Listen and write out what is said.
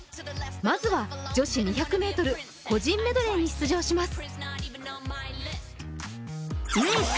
まずは女子２００ｍ個人メドレーに出場します。